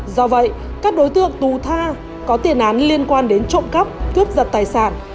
do vậy các đối tượng tù tha có tiền án liên quan đến trộm cắp cướp giật tài sản